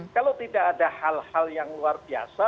kalau tidak ada hal hal yang luar biasa